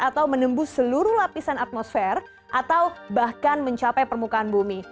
atau menembus seluruh lapisan atmosfer atau bahkan mencapai permukaan bumi